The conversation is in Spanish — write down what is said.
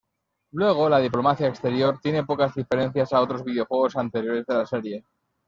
Luego, la diplomacia exterior tiene pocas diferencias a otros videojuegos anteriores de la serie.